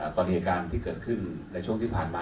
กริยการฯที่เกิดขึ้นในช่วงที่ผ่านมา